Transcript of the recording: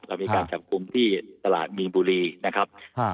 ก็มีการจับคุมที่ตลาดมีงบุรีนะครับอ่า